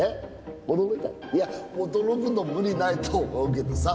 いや驚くのも無理ないと思うけどさ。